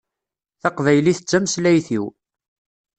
Taqbaylit d tameslayt-iw